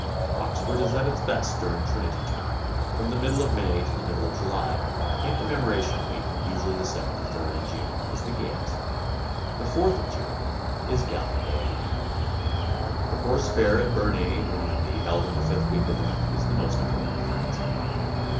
Oxford is at its best during the Trinity term, from the middle of May to the middle of July; and Commemoration Week, usually the second or third in June, is the gayest. The "fourth of June" is gala day at Eton. The horse fair at Bernay, Normandy, held in the fifth week of Lent, is the most important in France.